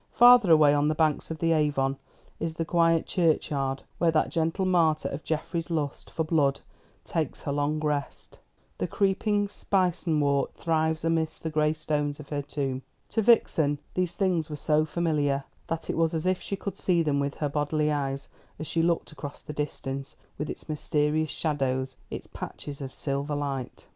Farther away, on the banks of the Avon, is the quiet churchyard where that gentle martyr of Jeffreys's lust for blood takes her long rest. The creeping spleenwort thrives amidst the gray stones of her tomb. To Vixen these things were so familiar, that it was as if she could see them with her bodily eyes, as she looked across the distance, with its mysterious shadows, its patches of silver light.